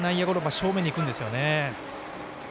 正面にいくんですよね。